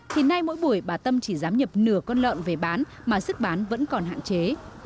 thì nay mỗi buổi bà tâm chỉ dám nhập nửa con lợn về bán mà sức bán vẫn còn hạn chế